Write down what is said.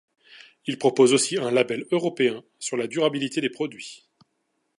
Il propose aussi un label européen sur la durabilité des produits.